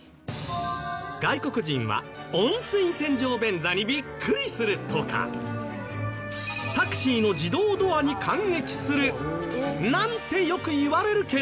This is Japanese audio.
外国人は温水洗浄便座にビックリするとかタクシーの自動ドアに感激するなんてよくいわれるけど。